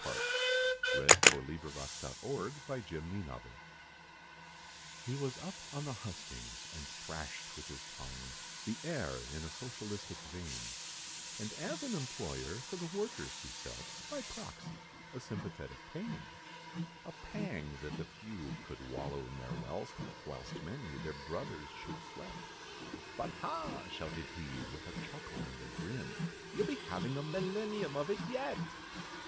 [Illustration: PARADOXICAL WORDS] HE was up on the hustings, and thrashed with his tongue, The air in a socialistic vein, And as an employer, for the workers he felt, By proxy, a sympathetic pain! A pang, that the few could wallow in their wealth, Whilst many their brothers should sweat, "But ha!" shouted he, with a chuckle, and a grin, "You'll be having a millenium of it yet!"